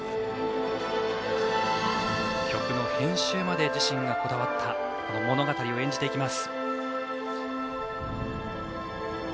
曲の編集まで自身がこだわった物語を演じます。